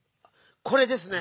「これ」ですね。